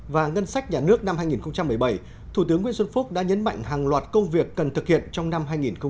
và ngân sách nhà nước năm hai nghìn một mươi bảy thủ tướng nguyễn xuân phúc đã nhấn mạnh hàng loạt công việc cần thực hiện trong năm hai nghìn một mươi chín